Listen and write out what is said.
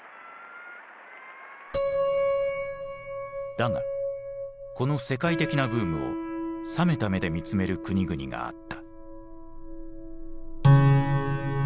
だがこの世界的なブームを冷めた目で見つめる国々があった。